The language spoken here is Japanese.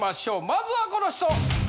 まずはこの人！